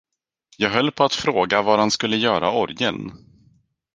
Jag höll på att fråga, var han skulle göra orgeln.